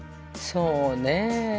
そうね。